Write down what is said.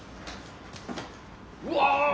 うわ！